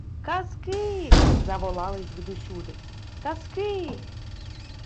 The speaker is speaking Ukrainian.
— Казки! — заволали звідусюди. — Казки!